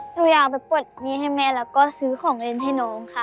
หนูอยากไปปลดหนี้ให้แม่แล้วก็ซื้อของเล่นให้น้องค่ะ